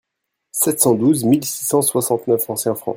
Sept cent douze mille six cent soixante-neuf anciens francs.